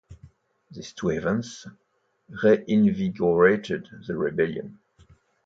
These two events reinvigorated the rebellion.